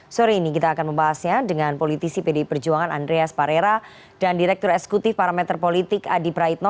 sore ini kita akan membahasnya dengan politisi pdi perjuangan andreas parera dan direktur eksekutif parameter politik adi praitno